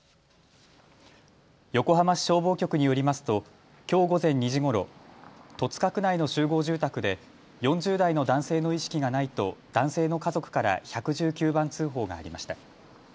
横浜市消防局によりますときょう午前２時ごろ、戸塚区内の集合住宅で４０代の男性の意識がないと男性の家族から１１９番通報がありました。